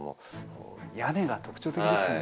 屋根が特徴的ですよね。